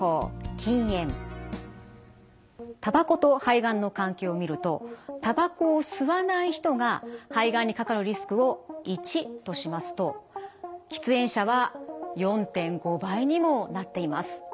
たばこと肺がんの関係を見るとたばこを吸わない人が肺がんにかかるリスクを１としますと喫煙者は４．５倍にもなっています。